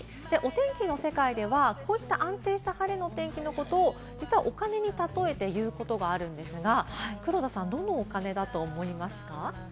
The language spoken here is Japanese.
お天気の世界ではこういった安定した晴れの天気のことを、実は、お金にたとえて言うことがあるんですが、黒田さん、どのお金だと思いますか？